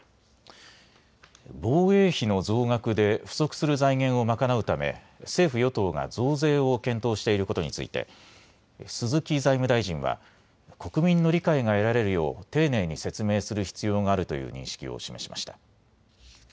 防衛費の増額で不足する財源を賄うため政府与党が増税を検討していることについて鈴木財務大臣は国民の理解が得られるよう丁寧に説明する必要があるという認識を示しました。